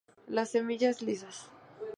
Las semillas lisas.